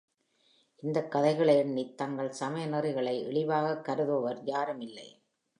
இந்தக் கதைகளை எண்ணித் தங்கள் சமய நெறிகளை இழிவாகக் கருதுபவர் யாரும் இல்லை.